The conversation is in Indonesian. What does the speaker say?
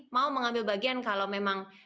mau mengambil bagian kalau memang